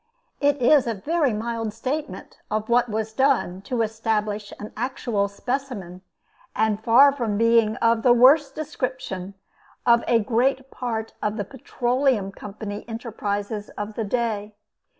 It is a very mild statement of what was done to establish an actual specimen, and far from being of the worst description of a great part of the Petroleum Company enterprises of the day.